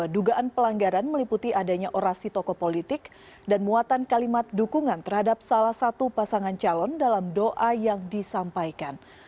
dugaan pelanggaran meliputi adanya orasi tokoh politik dan muatan kalimat dukungan terhadap salah satu pasangan calon dalam doa yang disampaikan